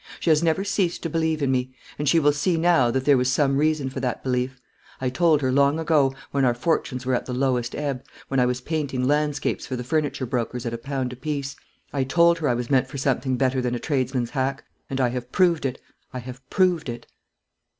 She has never ceased to believe in me; and she will see now that there was some reason for that belief. I told her long ago, when our fortunes were at the lowest ebb, when I was painting landscapes for the furniture brokers at a pound a piece, I told her I was meant for something better than a tradesman's hack; and I have proved it I have proved it."